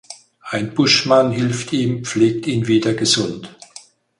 Ein Buschmann hilft ihm, pflegt ihn wieder gesund.